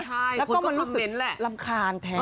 ใช่คนก็คำเม้นแหละแล้วก็มันรู้สึกรำคาญแทน